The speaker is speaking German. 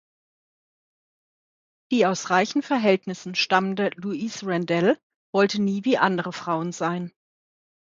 Die aus reichen Verhältnissen stammende Louise Randall wollte nie wie andere Frauen sein.